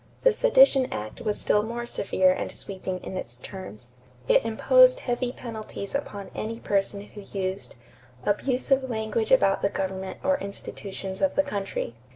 The Sedition act was still more severe and sweeping in its terms. It imposed heavy penalties upon any person who used "abusive language about the government or institutions of the country."